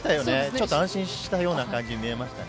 ちょっと安心したような感じに見えましたね。